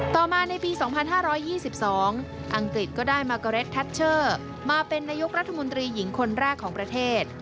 ต่อมาในปี๒๕๒๒อังกฤษก็ได้มาโกเร็ดแทชเชอร์มาเป็นนายกรัฐมนตรีหญิงคนแรกของประเทศ